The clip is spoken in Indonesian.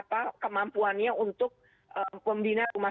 apa kemampuannya untuk pembina rumah